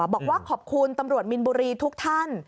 บอกว่าขอบคุณตำรวจมินบุรีทุกท่าน